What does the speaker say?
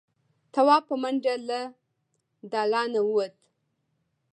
تواب په منډه له دالانه ووت.